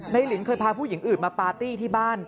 ลินเคยพาผู้หญิงอื่นมาปาร์ตี้ที่บ้าน